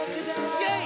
イェイ！